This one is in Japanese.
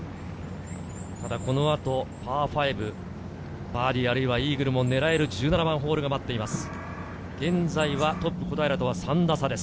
この後、パー５。バーディー、あるいはイーグルも狙える１７番ホールが待っています。